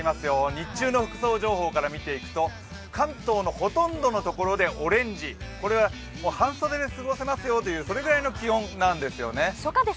日中の服装情報から見ていくと関東のほとんどの所でオレンジ、これは半袖で過ごせますよという、それぐらいの気温なんですね。